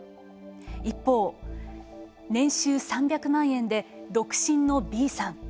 一方、年収３００万円で独身のＢさん。